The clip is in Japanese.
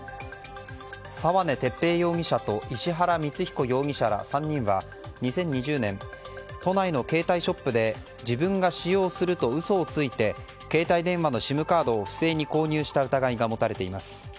沢根鉄平容疑者と石原充彦容疑者ら３人は２０２０年都内の携帯ショップで自分が使用すると嘘をついて携帯電話のＳＩＭカードを不正に購入した疑いが持たれています。